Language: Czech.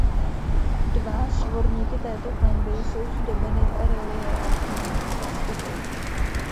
Dva svorníky této klenby jsou zdobeny reliéfní plastikou.